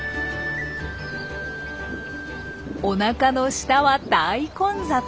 おなかの下は大混雑。